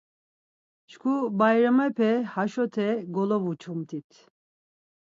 Şǩu bayramepe haşote golovuçumt̆it.